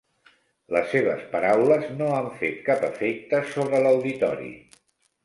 Les seves paraules no han fet cap efecte sobre l'auditori.